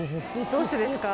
どうしてですか？